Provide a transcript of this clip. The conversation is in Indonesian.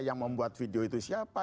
yang membuat video itu siapa